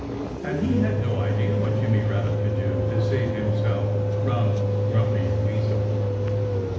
And he had no idea what Jimmy Rabbit could do to save himself from Grumpy Weasel.